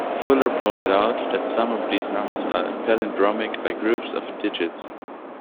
Fuller pointed out that some of these numbers are palindromic by groups of digits.